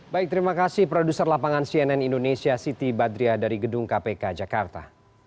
baik terima kasih produser lapangan cnn indonesia siti badria dari gedung kpk jakarta